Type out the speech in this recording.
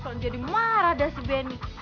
selalu jadi marah dah si beni